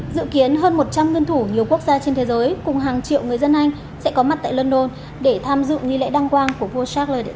dự kiến hơn một trăm linh nguyên thủ nhiều quốc gia trên thế giới cùng hàng triệu người dân anh sẽ có mặt tại london để tham dự nghi lễ đăng quang của vua chakle